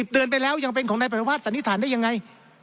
๑๐เดือนไปแล้วยังเป็นของนายปรัฐวาสสันนิสารได้ยังไง